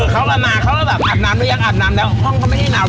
เลยวางเค้ามาเขาอาบน้ำแล้วฮ่องก็ไม่ได้หนาว